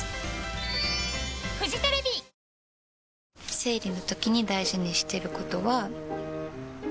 生理のときに大事にしてることは。